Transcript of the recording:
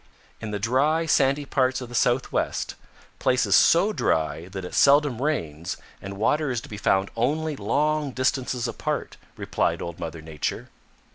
"In the dry, sandy parts of the Southwest, places so dry that it seldom rains, and water is to be found only long distances apart," replied Old Mother Nature.